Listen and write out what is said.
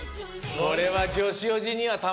これは。